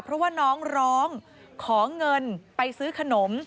เพราะว่าน้องร้องขอเงินไปซื้อขนม